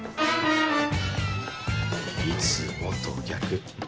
いつもと逆。